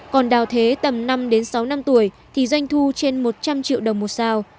còn đào thế tầm năm đến sáu năm tuổi thì doanh thu trên một trăm linh triệu đồng một sao